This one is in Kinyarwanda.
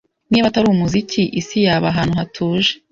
Niba atari umuziki, isi yaba ahantu hatuje.